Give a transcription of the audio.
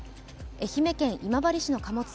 愛媛県今治市の貨物船